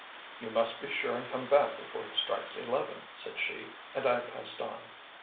"You must be sure and come back before it strikes eleven," said she, and I passed on.